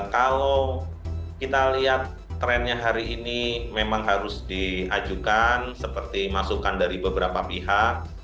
kalau kita lihat trennya hari ini memang harus diajukan seperti masukan dari beberapa pihak